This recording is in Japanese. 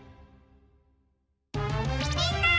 みんな！